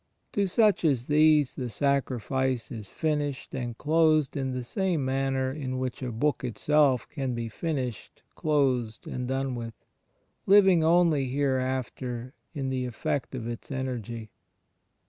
To such as these the Sacrifice is finished and closed in the same manner in which a book itself can be finished, closed and done with — living only, hereafter, in the effect of its energy.